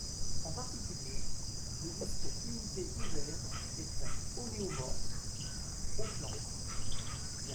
En particulier, le disque unité ouvert est homéomorphe au plan.